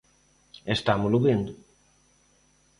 E estámolo vendo.